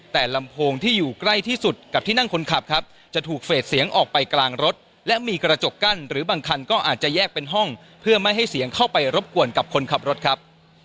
แต่ลำโพงที่อยู่ใกล้ที่สุดกับที่นั่งคนขับครับจะถูกเฟสเสียงออกไปกลางรถและมีกระจกกั้นหรือบางคันก็อาจจะแยกเป็นห้องเพื่อไม่ให้เสียงเข้าไปรบกวนกับคนขับรถครับ